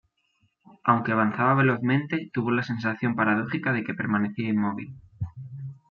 Aunque avanzaba velozmente, tuvo la sensación paradójica de que permanecía inmóvil.